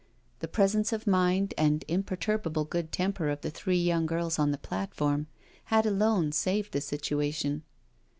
The presence of mind and imperturbable good temper of the three young girls on the platform had alone saved the situation.